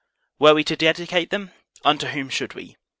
Were we to dedicate them, unto whom should we?